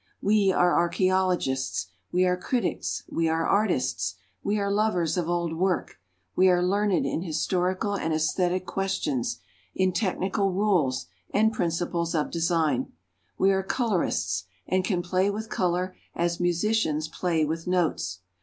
We are archæologists: we are critics: we are artists. We are lovers of old work: we are learned in historical and æsthetic questions, in technical rules and principles of design. We are colourists, and can play with colour as musicians play with notes.